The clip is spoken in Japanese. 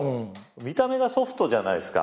見た目がソフトじゃないっすか。